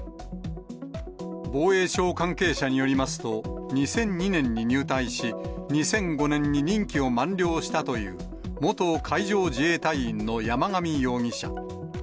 防衛省関係者によりますと、２００２年に入隊し、２００５年に任期を満了したという、元海上自衛隊員の山上容疑者。